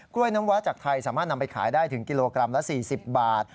น้ำว้าจากไทยสามารถนำไปขายได้ถึงกิโลกรัมละ๔๐บาท